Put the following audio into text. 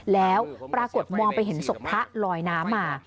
แล้วปรากฏมองไปเห็นศพพระลอยน้ำมา